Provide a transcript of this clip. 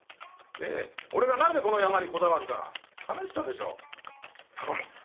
俺がなぜこのヤマにこだわるか話したでしょう頼む